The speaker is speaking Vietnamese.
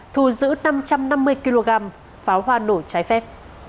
thu giữ năm trăm năm mươi kg pháo hoa nổ trái phép